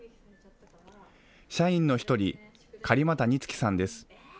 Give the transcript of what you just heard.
社員の１人、狩俣日姫さんです。